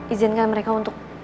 izinkan mereka untuk